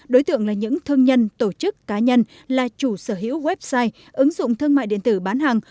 đối tượng là những thương nhân tổ chức cá nhân là chủ sở hữu website ứng dụng thương mại điện tử bán hàng